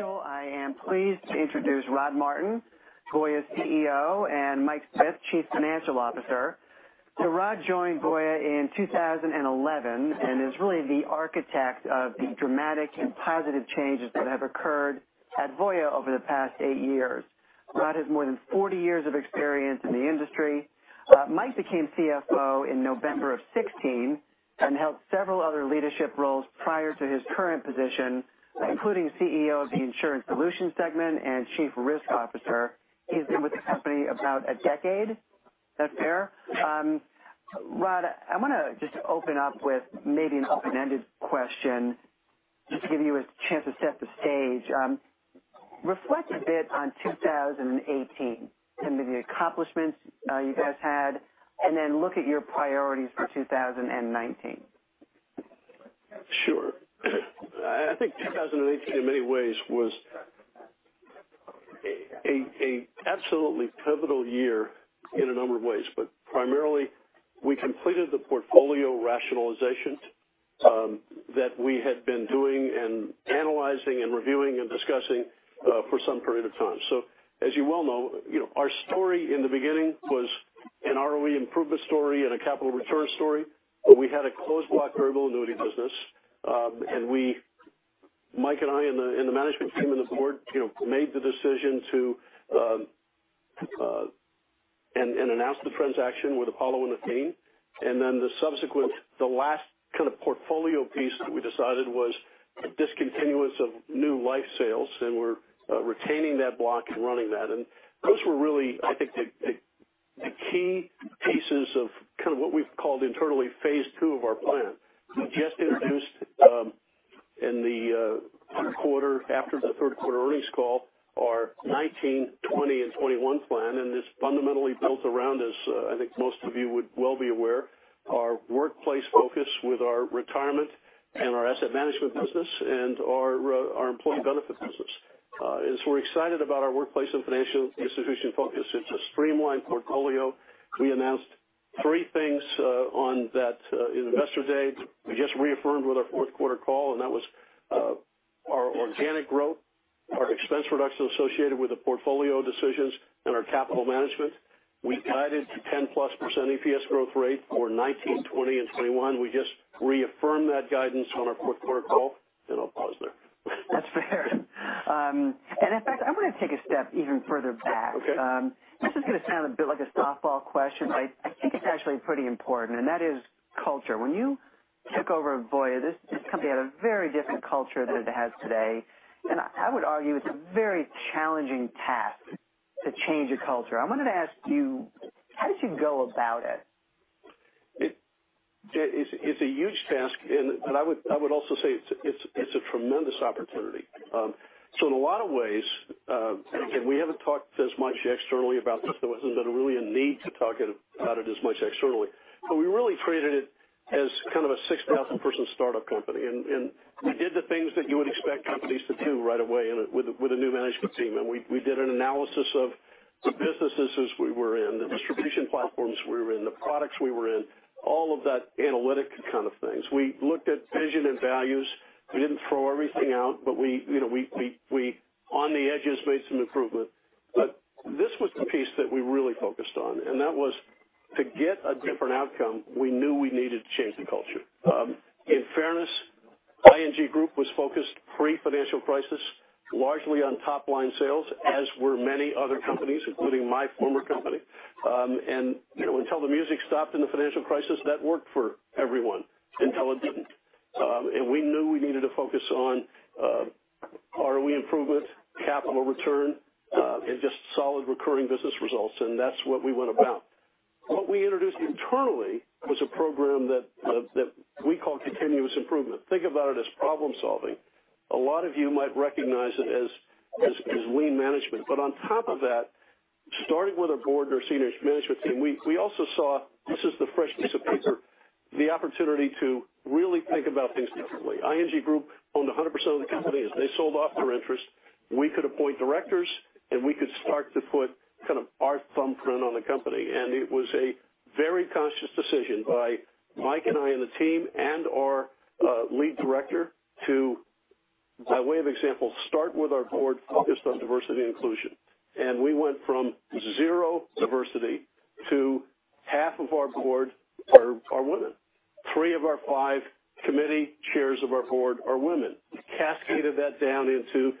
Voya Financial. I am pleased to introduce Rodney Martin, Voya's CEO, and Michael Smith, Chief Financial Officer. Rod joined Voya in 2011 and is really the architect of the dramatic and positive changes that have occurred at Voya over the past eight years. Rod has more than 40 years of experience in the industry. Mike became CFO in November of 2016 and held several other leadership roles prior to his current position, including CEO of the Insurance Solutions segment and Chief Risk Officer. He's been with the company about a decade. That fair? Rod, I want to just open up with maybe an open-ended question just to give you a chance to set the stage. Reflect a bit on 2018 and maybe the accomplishments you guys had, and then look at your priorities for 2019. Sure. I think 2018 in many ways was an absolutely pivotal year in a number of ways. Primarily, we completed the portfolio rationalization that we had been doing and analyzing and reviewing and discussing for some period of time. As you well know, our story in the beginning was an ROE improvement story and a capital return story. We had a closed block variable annuity business. Mike and I and the management team and the board made the decision and announced the transaction with Apollo and Athene. Then the subsequent, the last kind of portfolio piece that we decided was a discontinuance of new life sales, and we're retaining that block and running that. Those were really, I think, the key pieces of kind of what we've called internally phase two of our plan. We just introduced in the quarter after the third quarter earnings call, our 2019, 2020, and 2021 plan, is fundamentally built around, as I think most of you would well be aware, our workplace focus with our retirement and our asset management business and our employee benefits business. We're excited about our workplace and financial institution focus, it's a streamlined portfolio. We announced three things on that investor day. We just reaffirmed with our fourth quarter call, that was our organic growth, our expense reduction associated with the portfolio decisions, and our capital management. We guided to 10+% EPS growth rate for 2019, 2020, and 2021. We just reaffirmed that guidance on our fourth quarter call, I'll pause there. That's fair. In fact, I want to take a step even further back. Okay. This is going to sound a bit like a softball question, but I think it's actually pretty important, and that is culture. When you took over Voya, this company had a very different culture than it has today. I would argue it's a very challenging task to change a culture. I wanted to ask you, how did you go about it? It's a huge task, and I would also say it's a tremendous opportunity. In a lot of ways, and we haven't talked as much externally about this, there wasn't really a need to talk about it as much externally, we really treated it as kind of a 6,000-person startup company, and we did the things that you would expect companies to do right away with a new management team. We did an analysis of the businesses we were in, the distribution platforms we were in, the products we were in, all of that analytic kind of things. We looked at vision and values. We didn't throw everything out, but we on the edges made some improvements. This was the piece that we really focused on, and that was to get a different outcome, we knew we needed to change the culture. In fairness, ING Group was focused pre-financial crisis largely on top-line sales, as were many other companies, including my former company. Until the music stopped in the financial crisis, that worked for everyone, until it didn't. We knew we needed to focus on ROE improvement, capital return, and just solid recurring business results, and that's what we went about. What we introduced internally was a program that we call continuous improvement. Think about it as problem-solving. A lot of you might recognize it as Lean management. On top of that, starting with our board and our senior management team, we also saw this as the fresh piece of paper, the opportunity to really think about things differently. ING Group owned 100% of the company. As they sold off their interest, we could appoint directors, we could start to put kind of our thumbprint on the company. It was a very conscious decision by Mike and I and the team and our lead director to, by way of example, start with our board focused on diversity and inclusion. We went from zero diversity to half of our board are women. Three of our five committee chairs of our board are women. Cascaded that down into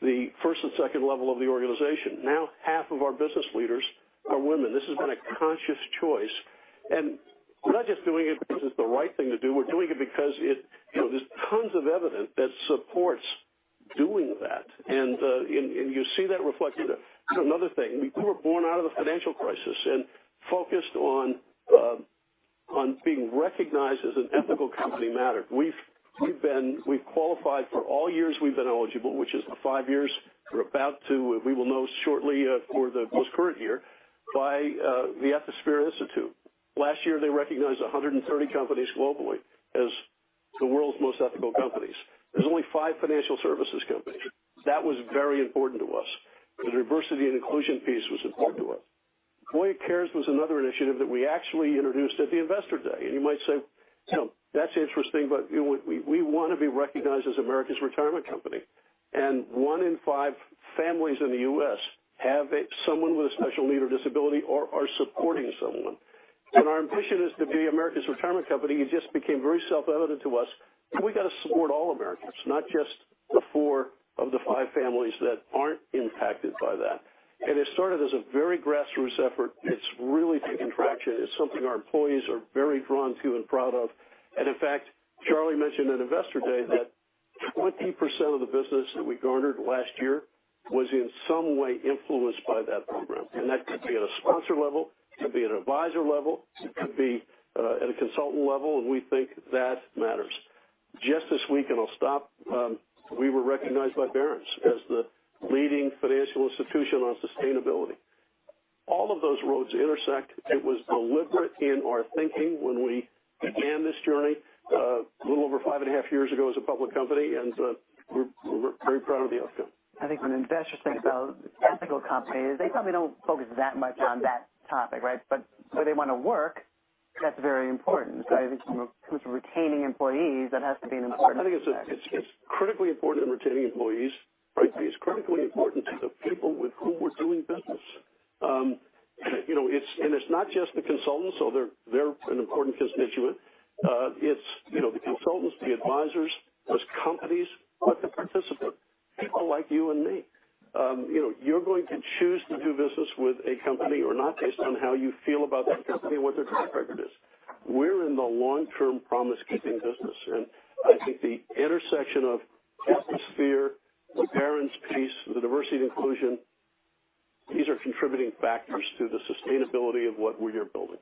the first and second level of the organization. Now half of our business leaders are women. This has been a conscious choice, and we're not just doing it because it's the right thing to do. We're doing it because there's tons of evidence that supports doing that. You see that reflected. Another thing, we were born out of the financial crisis and focused on being recognized as an ethical company mattered. We've qualified for all years we've been eligible, which is the five years. We will know shortly for the most current year by the Ethisphere Institute. Last year, they recognized 130 companies globally as the world's most ethical companies. There's only five financial services companies. That was very important to us. The diversity and inclusion piece was important to us. Voya Cares was another initiative that we actually introduced at the Investor Day. You might say, "That's interesting, but we want to be recognized as America's retirement company." One in five families in the U.S. have someone with a special need or disability or are supporting someone. Our ambition is to be America's retirement company, it just became very self-evident to us that we got to support all Americans, not just the four of the five families that aren't impacted by that. It started as a very grassroots effort. It's really taken traction. It's something our employees are very drawn to and proud of. In fact, Charlie mentioned at Investor Day that 20% of the business that we garnered last year was in some way influenced by that program. That could be at a sponsor level, it could be at an advisor level, it could be at a consultant level, and we think that matters. Just this week, and I'll stop, we were recognized by Barron's as the leading financial institution on sustainability. All of those roads intersect. It was deliberate in our thinking when we began this journey a little over five and a half years ago as a public company, we're very proud of the outcome. I think when investors think about ethical companies, they probably don't focus that much on that topic, right? Where they want to work, that's very important. I think in terms of retaining employees, that has to be an important factor. Well, I think it's critically important in retaining employees, right? It's critically important to the people with whom we're doing business. It's not just the consultants, although they're an important constituent. It's the consultants, the advisors, those companies, but the participant, people like you and me. You're going to choose to do business with a company or not based on how you feel about that company and what their track record is. We're in the long-term promise keeping business, I think the intersection of Ethisphere, the Barron's piece, the diversity and inclusion, these are contributing factors to the sustainability of what we are building.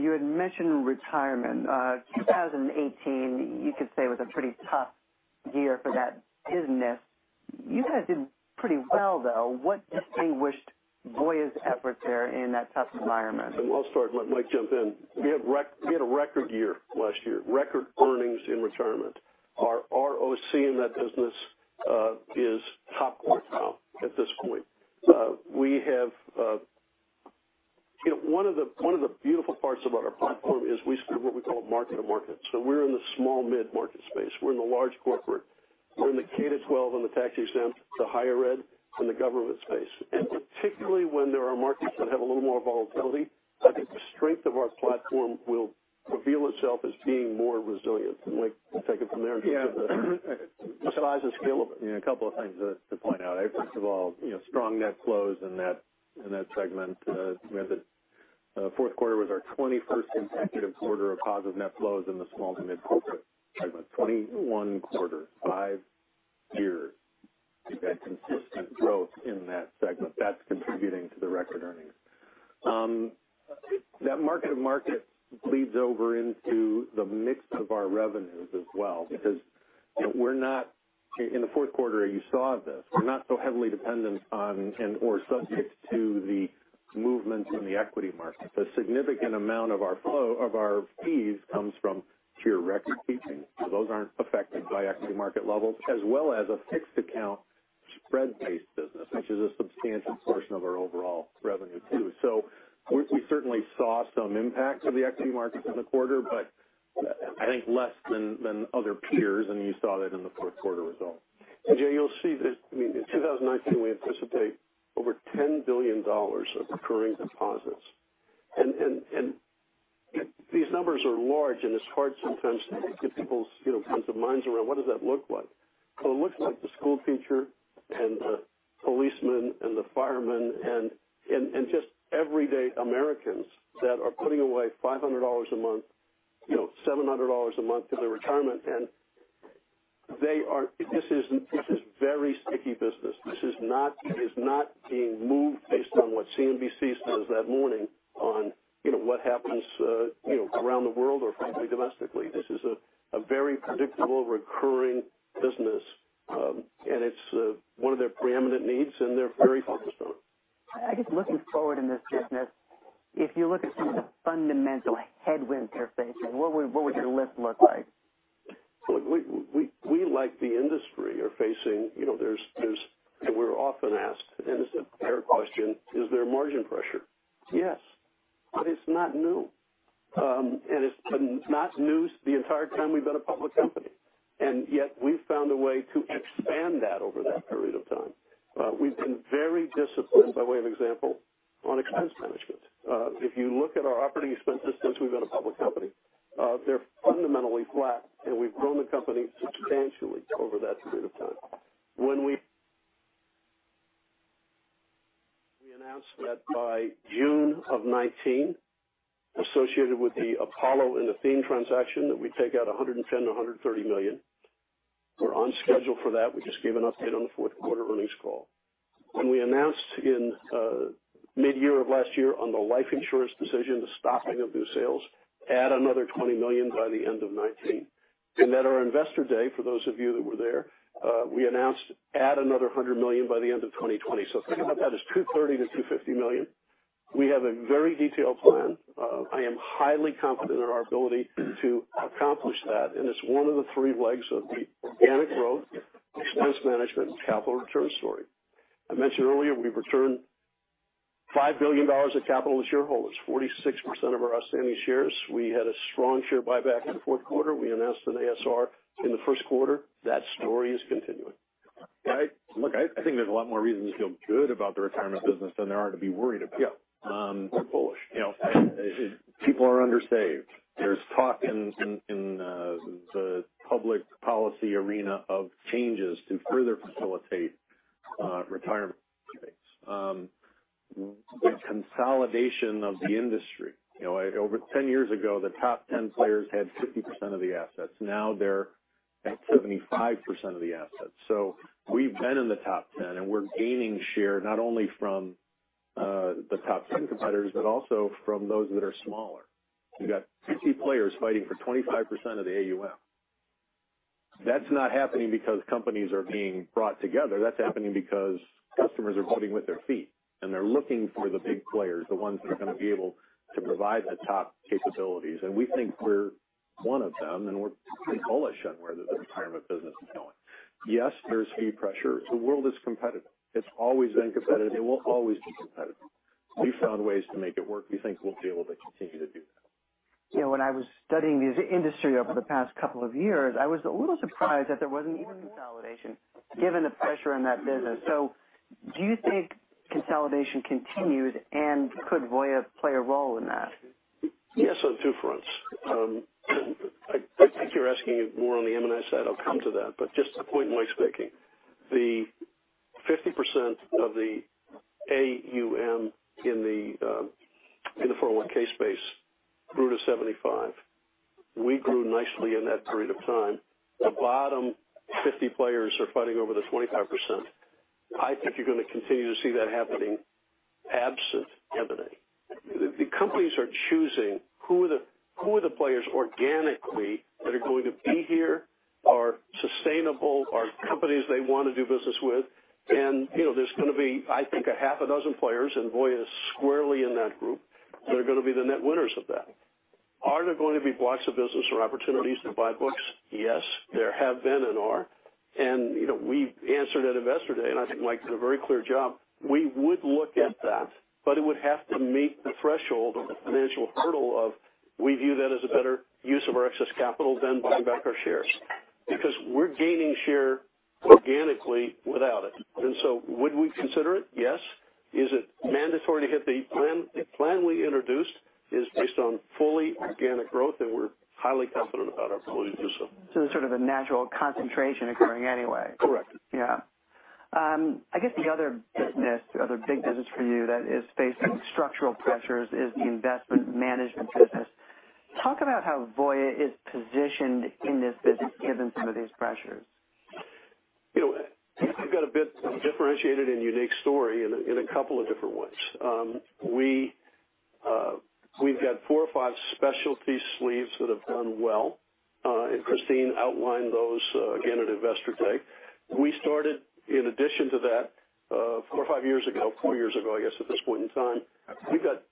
You had mentioned retirement. 2018, you could say, was a pretty tough year for that business. You guys did pretty well, though. What distinguished Voya's efforts there in that tough environment? I'll start, Mike jump in. We had a record year last year, record earnings in retirement. Our ROC in that business is top quartile at this point. One of the beautiful parts about our platform is we serve what we call market to market. We're in the small, mid-market space. We're in the large corporate. We're in the K-12 on the tax-exempt, the higher ed and the government space. Particularly when there are markets that have a little more volatility, I think the strength of our platform will reveal itself as being more resilient. Mike can take it from there in terms of the size and scale of it. Yeah. A couple of things to point out. First of all, strong net flows in that segment. The fourth quarter was our 21st consecutive quarter of positive net flows in the small to mid-corporate segment. 21 quarters, five years of that consistent growth in that segment that's contributing to the record earnings. That market-to-market bleeds over into the mix of our revenues as well because we're not, in the fourth quarter you saw this, we're not so heavily dependent on and/or subject to the movements in the equity market. A significant amount of our fees comes from pure record keeping. Those aren't affected by equity market levels as well as a fixed account spread-based business, which is a substantial portion of our overall revenue, too. We certainly saw some impact of the equity markets in the quarter, but I think less than other peers, and you saw that in the fourth quarter results. Jay, you'll see that in 2019, we anticipate over $10 billion of recurring deposits. These numbers are large, and it's hard sometimes to get people's minds around what does that look like? Well, it looks like the school teacher and the policeman and the fireman and just everyday Americans that are putting away $500 a month, $700 a month for their retirement, this is very sticky business. This is not being moved based on what CNBC says that morning on what happens around the world or frankly, domestically. This is a very predictable, recurring business. It's one of their preeminent needs, and they're very focused on it. I guess looking forward in this business, if you look at some of the fundamental headwinds you're facing, what would your list look like? We, like the industry, are facing. We're often asked, it's a fair question, is there margin pressure? Yes, but it's not new. It's not news the entire time we've been a public company, yet we've found a way to expand that over that period of time. We've been very disciplined by way of example on expense management. If you look at our operating expenses since we've been a public company, they're fundamentally flat, and we've grown the company substantially over that period of time. We announced that by June of 2019, associated with the Apollo and Athene transaction, that we'd take out $110 million-$130 million. We're on schedule for that. We just gave an update on the fourth quarter earnings call. When we announced in mid-year of last year on the life insurance decision, the stopping of new sales, add another $20 million by the end of 2019. At our Investor Day, for those of you that were there, we announced add another $100 million by the end of 2020. Think about that as $230 million-$250 million. We have a very detailed plan. I am highly confident in our ability to accomplish that, it's one of the three legs of the organic growth expense management and capital return story. I mentioned earlier we returned $5 billion of capital to shareholders, 46% of our outstanding shares. We had a strong share buyback in the fourth quarter. We announced an ASR in the first quarter. That story is continuing. I think there's a lot more reason to feel good about the retirement business than there are to be worried about. Yeah. We're bullish. People are under-saved. There's talk in the public policy arena of changes to further facilitate retirement dates. The consolidation of the industry. Over 10 years ago, the top 10 players had 50% of the assets. Now they're at 75% of the assets. We've been in the top 10, and we're gaining share not only from the top 10 competitors, but also from those that are smaller. You got 50 players fighting for 25% of the AUM. That's not happening because companies are being brought together. That's happening because customers are voting with their feet, and they're looking for the big players, the ones that are going to be able to provide the top capabilities. We think we're one of them, and we're pretty bullish on where the retirement business is going. Yes, there's fee pressure. The world is competitive. It's always been competitive. It will always be competitive. We found ways to make it work. We think we'll be able to continue to do that. When I was studying the industry over the past couple of years, I was a little surprised that there wasn't more consolidation given the pressure in that business. Do you think consolidation continues, and could Voya play a role in that? Yes, on two fronts. I think you're asking it more on the M&A side. I'll come to that. Just to point Mike's making, the 50% of the AUM in the 401 space grew to 75%. We grew nicely in that period of time. The bottom 50 players are fighting over the 25%. I think you're going to continue to see that happening absent M&A. The companies are choosing who are the players organically that are going to be here, are sustainable, are companies they want to do business with. There's going to be, I think, a half a dozen players, and Voya is squarely in that group. They're going to be the net winners of that. Are there going to be blocks of business or opportunities to buy books? Yes, there have been and are. We answered at Investor Day, and I think Mike did a very clear job. We would look at that, it would have to meet the threshold or the financial hurdle of we view that as a better use of our excess capital than buying back our shares because we're gaining share organically without it. Would we consider it? Yes. Is it mandatory to hit the plan? The plan we introduced is based on fully organic growth, and we're highly confident about our ability to do so. There's sort of a natural concentration occurring anyway. Correct. Yeah. I guess the other business, the other big business for you that is facing structural pressures is the investment management business. Talk about how Voya is positioned in this business given some of these pressures. We've got a bit of a differentiated and unique story in a couple of different ways. We've got four or five specialty sleeves that have done well, and Christine outlined those again at Investor Day. We started in addition to that, four or five years ago, I guess, at this point in time, we got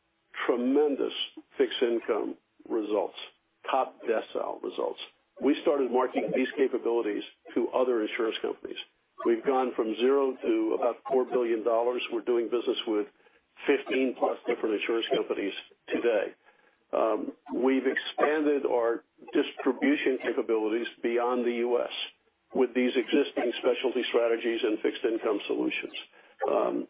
tremendous fixed income results, top decile results. We started marketing these capabilities to other insurance companies. We've gone from zero to about $4 billion. We're doing business with 15-plus different insurance companies today. We've expanded our distribution capabilities beyond the U.S. with these existing specialty strategies and fixed income solutions.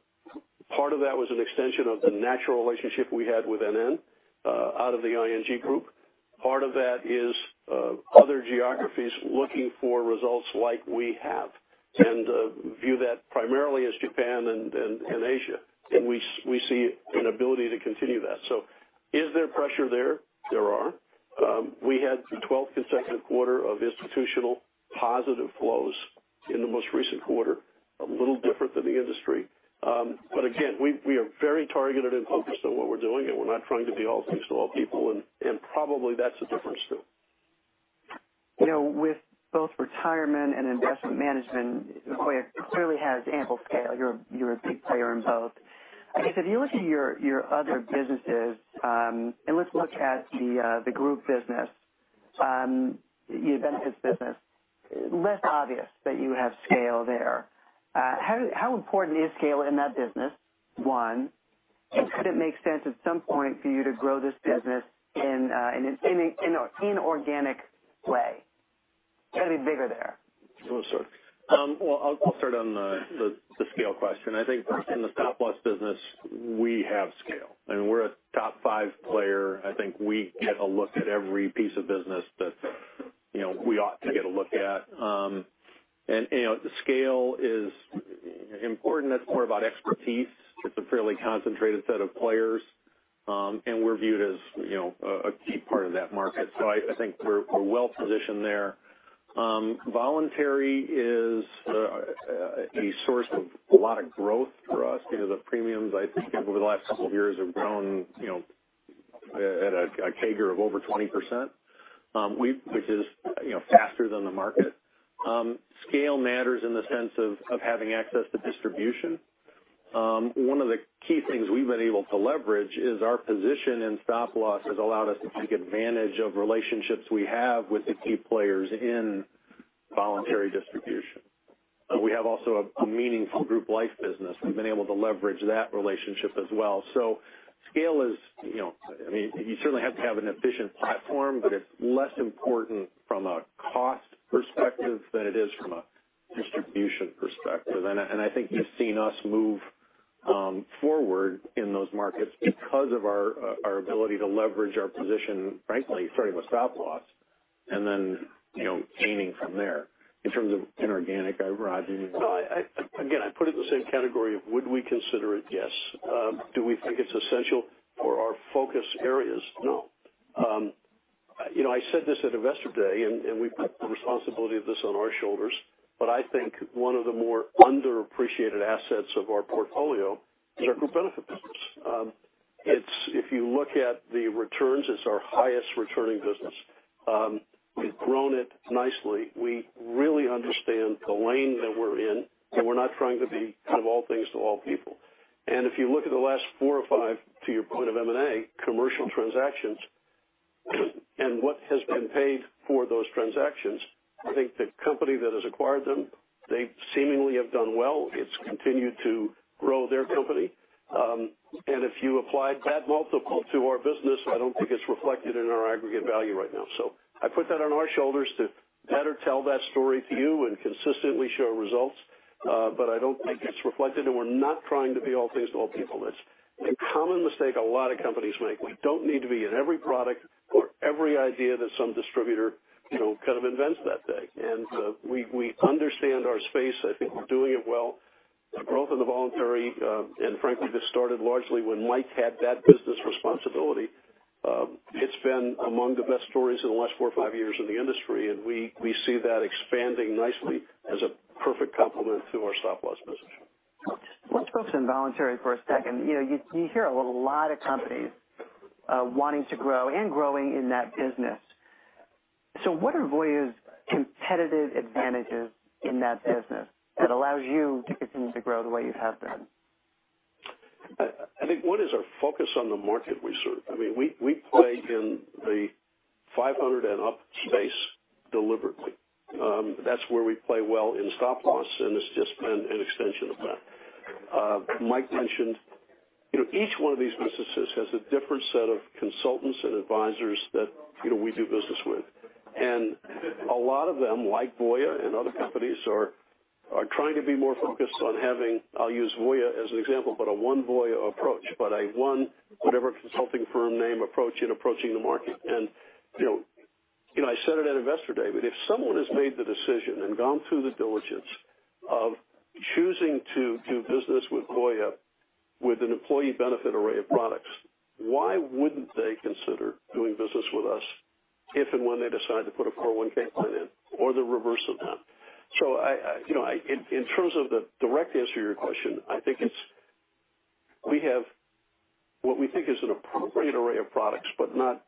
Part of that was an extension of the natural relationship we had with NN out of the ING Group. Part of that is other geographies looking for results like we have and view that primarily as Japan and Asia, and we see an ability to continue that. Is there pressure there? There are. We had the 12th consecutive quarter of institutional positive flows in the most recent quarter, a little different than the industry. Again, we are very targeted and focused on what we're doing, we're not trying to be all things to all people, probably that's a difference, too. With both retirement and investment management, Voya clearly has ample scale. You're a big player in both. I guess if you look at your other businesses, let's look at the group business, the advantages business, less obvious that you have scale there. How important is scale in that business, one? Could it make sense at some point for you to grow this business in an inorganic way? Got to be bigger there. Well, I'll start on the scale question. I think in the stop-loss business, we have scale, and we're a top five player. I think we get a look at every piece of business that we ought to get a look at. Scale is important. It's more about expertise. It's a fairly concentrated set of players, and we're viewed as a key part of that market. I think we're well-positioned there. Voluntary is a source of a lot of growth for us. The premiums, I think over the last couple of years have grown at a CAGR of over 20%, which is faster than the market. Scale matters in the sense of having access to distribution. One of the key things we've been able to leverage is our position in stop-loss has allowed us to take advantage of relationships we have with the key players in voluntary distribution. We have also a meaningful group life business. We've been able to leverage that relationship as well. Scale is, you certainly have to have an efficient platform, but it's less important from a cost perspective than it is from a distribution perspective. I think you've seen us move forward in those markets because of our ability to leverage our position, frankly, starting with stop-loss and then gaining from there. In terms of inorganic, Rod, do you want to- No, again, I put it in the same category of would we consider it? Yes. Do we think it's essential for our focus areas? No. I said this at Investor Day, and we put the responsibility of this on our shoulders, but I think one of the more underappreciated assets of our portfolio is our group benefit business. If you look at the returns, it's our highest returning business. We've grown it nicely. We really understand the lane that we're in, and we're not trying to be all things to all people. If you look at the last four or five, to your point of M&A, commercial transactions, and what has been paid for those transactions, I think the company that has acquired them, they seemingly have done well. It's continued to grow their company. If you applied that multiple to our business, I don't think it's reflected in our aggregate value right now. I put that on our shoulders to better tell that story to you and consistently show results. I don't think it's reflected, and we're not trying to be all things to all people. That's a common mistake a lot of companies make. We don't need to be in every product or every idea that some distributor kind of invents that day. We understand our space. I think we're doing it well. The growth in the voluntary, and frankly, this started largely when Mike had that business responsibility. It's been among the best stories in the last four or five years in the industry, and we see that expanding nicely as a perfect complement to our stop-loss business. Let's focus on voluntary for a second. You hear a lot of companies wanting to grow and growing in that business. What are Voya's competitive advantages in that business that allows you to continue to grow the way you have been? I think one is our focus on the market research. We play in the 500 and up space deliberately. That's where we play well in stop-loss, and it's just been an extension of that. Mike mentioned each one of these businesses has a different set of consultants and advisors that we do business with. A lot of them, like Voya and other companies, are trying to be more focused on having, I'll use Voya as an example, but a one Voya approach, but a one whatever consulting firm name approach in approaching the market. I said it at Investor Day, but if someone has made the decision and gone through the diligence of choosing to do business with Voya with an employee benefit array of products, why wouldn't they consider doing business with us if and when they decide to put a 401 plan in or the reverse of that? In terms of the direct answer to your question, I think it's we have what we think is an appropriate array of products, but not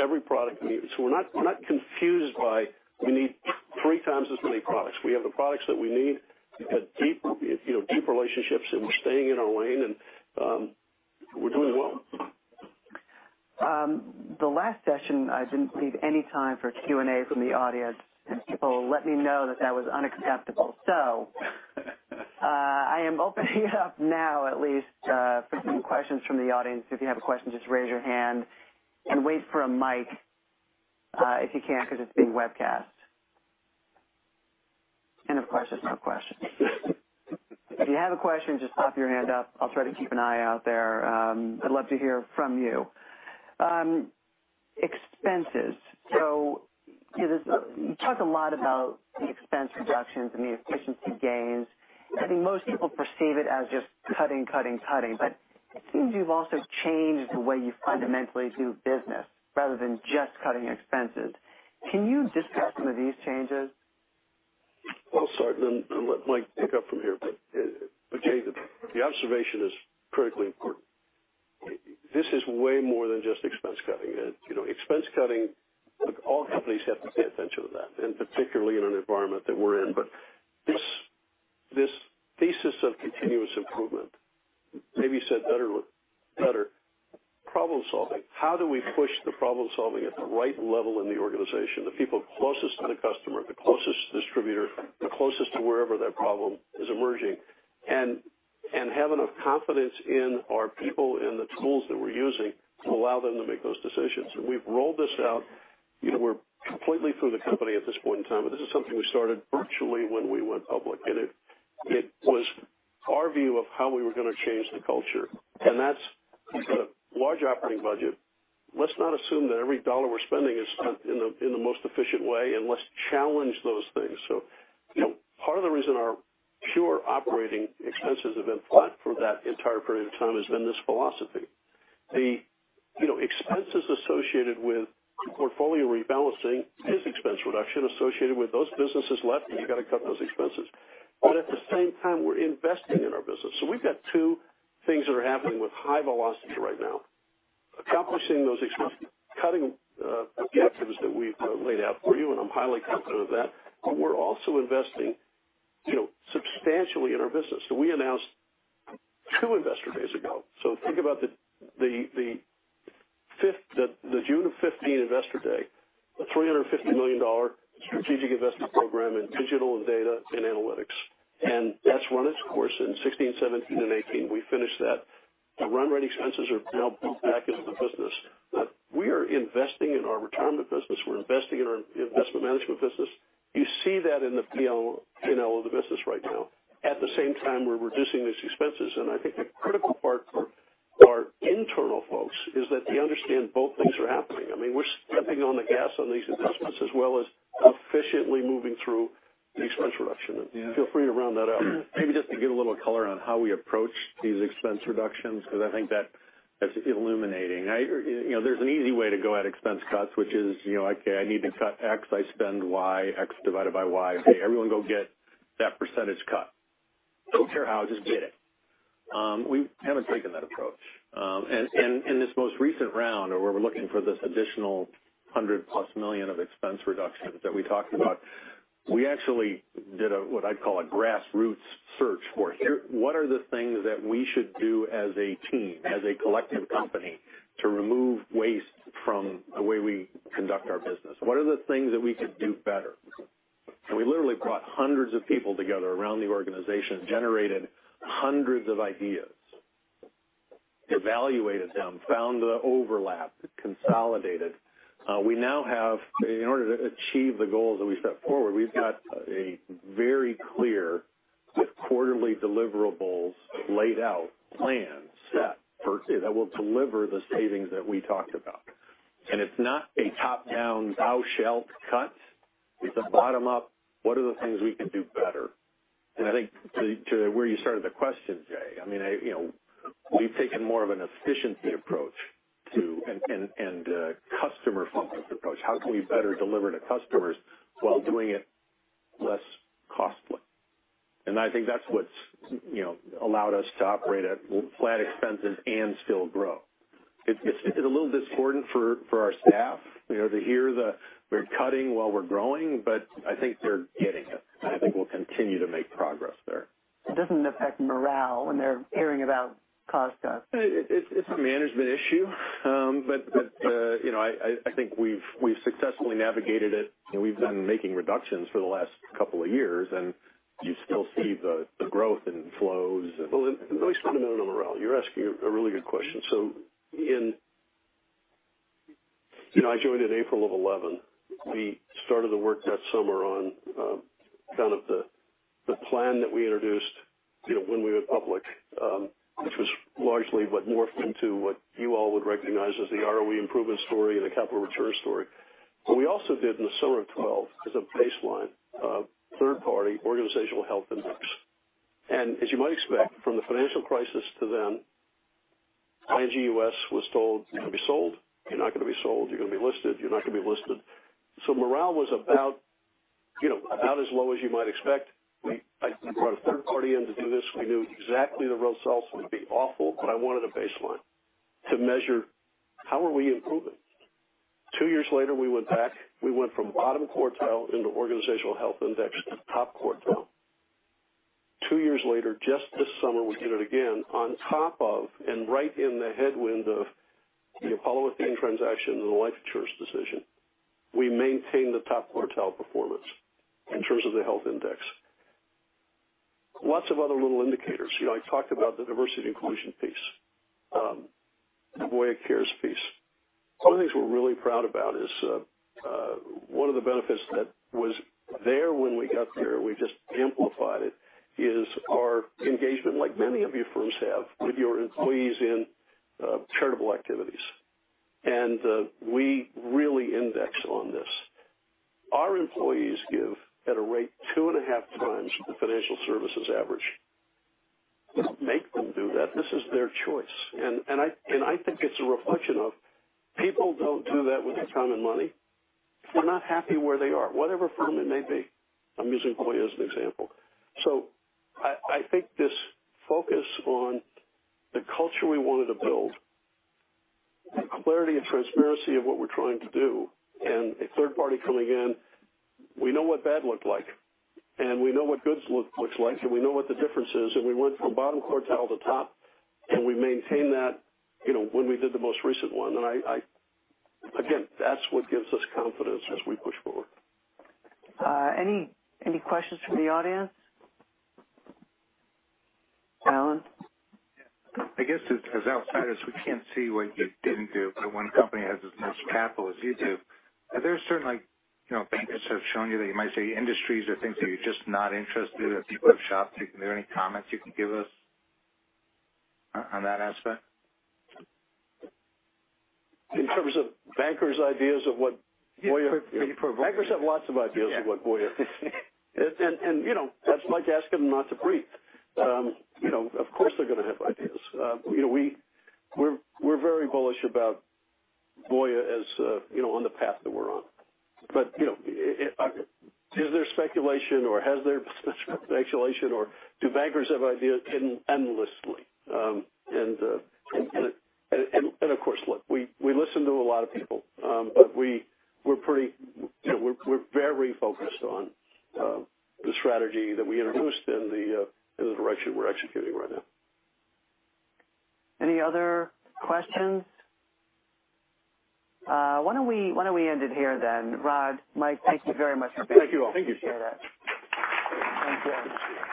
every product. We're not confused by we need three times as many products. We have the products that we need. We've got deep relationships, and we're staying in our lane, and we're doing well. The last session, I didn't leave any time for Q&A from the audience, and people let me know that that was unacceptable. I am opening it up now at least for some questions from the audience. If you have a question, just raise your hand and wait for a mic if you can, because it's being webcast. Of course, there's no questions. If you have a question, just pop your hand up. I'll try to keep an eye out there. I'd love to hear from you. Expenses. You talk a lot about the expense reductions and the efficiency gains. I think most people perceive it as just cutting. It seems you've also changed the way you fundamentally do business rather than just cutting expenses. Can you discuss some of these changes? Sorry, I'll let Mike pick up from here, Jay, the observation is critically important. This is way more than just expense cutting. Expense cutting, all companies have to pay attention to that, particularly in an environment that we're in. This thesis of continuous improvement, maybe said better, problem-solving. How do we push the problem-solving at the right level in the organization, the people closest to the customer, the closest distributor, the closest to wherever that problem is emerging, and have enough confidence in our people and the tools that we're using to allow them to make those decisions? We've rolled this out. We're completely through the company at this point in time, this is something we started virtually when we went public. It was our view of how we were going to change the culture. That's a large operating budget. Let's not assume that every dollar we're spending is spent in the most efficient way, let's challenge those things. Part of the reason our pure operating expenses have been flat for that entire period of time has been this philosophy. The expenses associated with portfolio rebalancing is expense reduction associated with those businesses left, you got to cut those expenses. At the same time, we're investing in our business. We've got two things that are happening with high velocity right now. Accomplishing those expense-cutting objectives that we've laid out for you, I'm highly confident of that. We're also investing substantially in our business. We announced two investor days ago. Think about the June of 2015 investor day, a $350 million strategic investment program in digital and data and analytics. That's run its course in 2016, 2017, and 2018. We finished that. The run rate expenses are now built back into the business. We are investing in our retirement business. We're investing in our Investment Management business. You see that in the P&L of the business right now. At the same time, we're reducing these expenses, I think the critical part for our internal folks is that they understand both things are happening. We're stepping on the gas on these investments as well as efficiently moving through the expense reduction. Yeah. Feel free to round that out. Maybe just to give a little color on how we approach these expense reductions, because I think that's illuminating. There's an easy way to go at expense cuts, which is, okay, I need to cut X, I spend Y. X divided by Y. Okay, everyone go get that percentage cut. Don't care how, just get it. We haven't taken that approach. In this most recent round, where we're looking for this additional $100+ million of expense reductions that we talked about, we actually did what I'd call a grassroots search for, what are the things that we should do as a team, as a collective company, to remove waste from the way we conduct our business? What are the things that we could do better? We literally brought hundreds of people together around the organization, generated hundreds of ideas, evaluated them, found the overlap, consolidated. In order to achieve the goals that we set forward, we've got a very clear, with quarterly deliverables laid out, plan set that will deliver the savings that we talked about. It's not a top-down, thou shalt cut. It's a bottom-up, what are the things we can do better? I think to where you started the question, Jay, we've taken more of an efficiency approach, too, and a customer-focused approach. How can we better deliver to customers while doing it less costly? I think that's what's allowed us to operate at flat expenses and still grow. It's a little discordant for our staff to hear that we're cutting while we're growing, but I think they're getting it, and I think we'll continue to make progress there. It doesn't affect morale when they're hearing about cost cuts? It's a management issue. I think we've successfully navigated it, and we've been making reductions for the last couple of years, and you still see the growth in flows. Let me spend a minute on morale. You're asking a really good question. I joined in April of 2011. We started the work that summer on the plan that we introduced when we went public, which was largely what morphed into what you all would recognize as the ROE improvement story and the capital return story. What we also did in the summer of 2012 is a baseline of third-party Organizational Health Index. As you might expect, from the financial crisis to then, ING U.S. was told, "You're going to be sold. You're not going to be sold. You're going to be listed. You're not going to be listed." So morale was about as low as you might expect. We brought a third party in to do this. We knew exactly the results were going to be awful, but I wanted a baseline to measure how are we improving. Two years later, we went back. We went from bottom quartile in the Organizational Health Index to top quartile. Two years later, just this summer, we did it again on top of and right in the headwind of the Apollo transaction and the life insurance decision. We maintained the top quartile performance in terms of the health index. Lots of other little indicators. I talked about the diversity and inclusion piece, the Voya Cares piece. One of the things we're really proud about is one of the benefits that was there when we got there, we just amplified it, is our engagement, like many of your firms have with your employees in charitable activities. We really index on this. Our employees give at a rate two and a half times the financial services average. We don't make them do that. This is their choice, and I think it's a reflection of people don't do that with their time and money if they're not happy where they are, whatever firm it may be. I'm using Voya as an example. So I think this focus on the culture we wanted to build, the clarity and transparency of what we're trying to do, and a third party coming in, we know what bad looked like, and we know what good looks like, and we know what the difference is, and we went from bottom quartile to top, and we maintained that when we did the most recent one. Again, that's what gives us confidence as we push forward. Any questions from the audience? Alan? I guess, as outsiders, we can't see what you didn't do, but when a company has as much capital as you do, are there certain bankers have shown you that you might say industries or things that you're just not interested in, that you have shopped? Are there any comments you can give us on that aspect? In terms of bankers' ideas of what Voya. Yeah, for you. Bankers have lots of ideas of what Voya. Yeah. That's like asking them not to breathe. Of course, they're going to have ideas. We're very bullish about Voya on the path that we're on. Is there speculation or has there been speculation, or do bankers have ideas? Endlessly. Of course, look, we listen to a lot of people. We're very focused on the strategy that we introduced and the direction we're executing right now. Any other questions? Why don't we end it here then? Rod, Mike, thank you very much. Thank you all. Thank you. Appreciate it. Thank you.